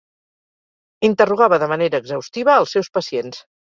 Interrogava de manera exhaustiva als seus pacients.